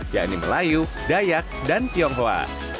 yakni melayu dayak dan tionghoa